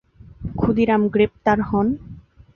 ক্ষুদিরাম গ্রেপ্তার হন।